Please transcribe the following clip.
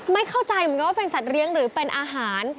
ไม่เข้าใจเหมือนกันว่าเป็นสัตว์เลี้ยงหรือเป็นอาหาร